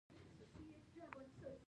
دا ټول کارونه ځانګړې څېړنې ته اړتیا لري.